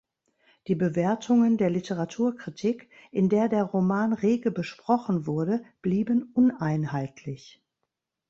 Die Bewertungen der Literaturkritik, in der der Roman rege besprochen wurde, blieben uneinheitlich.